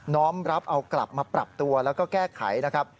้อมรับเอากลับมาปรับตัวแล้วก็แก้ไขนะครับ